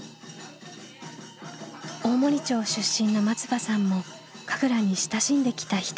大森町出身の松場さんも神楽に親しんできた一人。